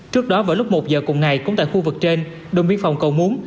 trước đó vào lúc một giờ cùng ngày cũng tại khu vực trên đồng biên phòng cầu muốn